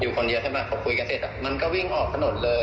คนเดียวใช่ไหมพอคุยกันเสร็จมันก็วิ่งออกถนนเลย